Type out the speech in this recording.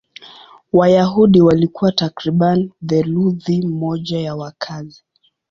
Wayahudi walikuwa takriban theluthi moja ya wakazi.